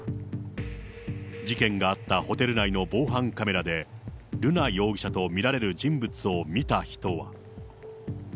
事件があったホテル内の防犯カメラで、瑠奈容疑者と見られる人物を見た人は。